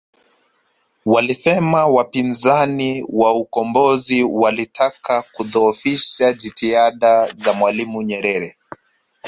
Walisema wapinzani wa ukombozi walitaka kudhoofisha jitihada za Mwalimu Nyerere